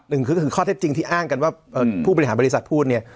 หนึ่งคือข้อเท็จจริงที่อ้างกันว่าผู้บริหารบริษัทพูดเนี่ย